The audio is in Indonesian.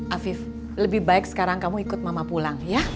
afif lebih baik sekarang kamu ikut mama pulang ya